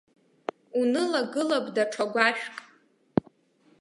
Унылагылап даҽа гәашәк.